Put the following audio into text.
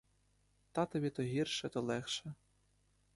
Татові то гірше, то легше.